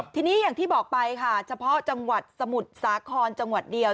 ทีนี้อย่างที่บอกไปค่ะเฉพาะจังหวัดสมุทรสาครจังหวัดเดียว